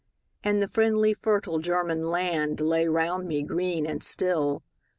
And the friendly fertile German land Lay round me green and still.